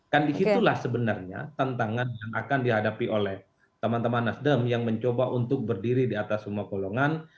kan disitulah sebenarnya tantangan yang akan dihadapi oleh teman teman nasdem yang mencoba untuk berdiri di atas semua golongan